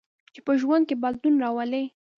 چې په ژوند کې بدلون راولي.